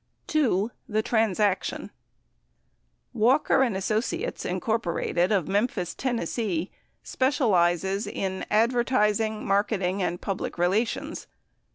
the transaction Walker and Associates, Inc. of Memphis, Tenn. specializes in ad vertising, marketing, and public relations.